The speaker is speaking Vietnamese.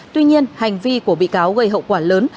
tuy nhiên hành vi của bị cáo gây hậu quả lớn